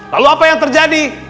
lalu apa yang terjadi